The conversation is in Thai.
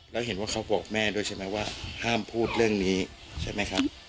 แล้วเห็นว่าเขาบอกแม่ด้วยใช่ไหมว่าห้ามพูดเรื่องนี้ใช่ไหมครับ